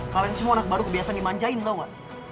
kalian semua anak baru biasa dimanjain loh gak